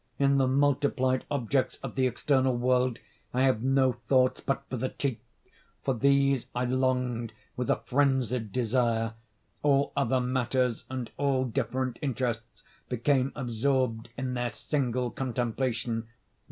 In the multiplied objects of the external world I had no thoughts but for the teeth. For these I longed with a phrenzied desire. All other matters and all different interests became absorbed in their single contemplation.